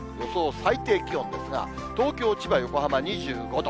最低気温ですが、東京、千葉、横浜、２５度。